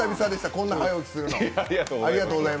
こんな早起きするの。